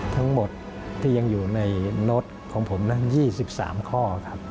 ทั้งหมดที่ยังอยู่ในโน้ตของผมนั้น๒๓ข้อครับ